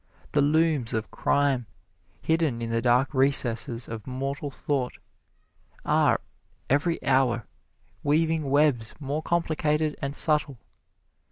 The looms of crime, hidden in the dark recesses of mortal thought, are every hour weaving webs more complicated and subtle.